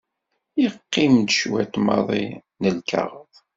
Yeqqim-d cwiṭ maḍi n lkaɣeḍ.